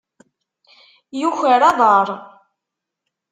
Yuker aḍaṛ.